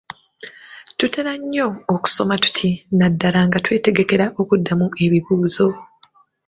Tutera nnyo okusoma tuti naddala nga twetegekera okuddamu ebibuuzo,